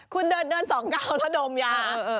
คุณเดิน๒ก้าวแล้วดมยา